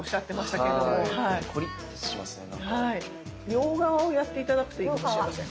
両側をやって頂くといいかもしれません。